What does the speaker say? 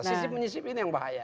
menyisip menyisip ini yang bahaya